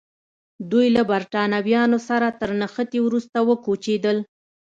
دوی له برېټانویانو سره تر نښتې وروسته وکوچېدل.